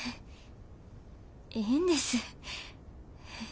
いいんです。